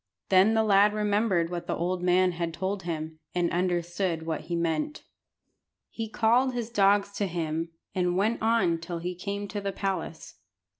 Then the lad remembered what the old man had told him, and understood what he meant. He called his dogs to him, and went on till he came to the palace.